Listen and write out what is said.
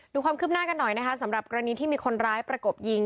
ดูความคืบหน้ากันหน่อยนะคะสำหรับกรณีที่มีคนร้ายประกบยิง